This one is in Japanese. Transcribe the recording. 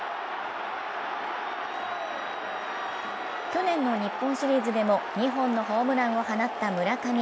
去年の日本シリーズでも２本のホームランを放った村上。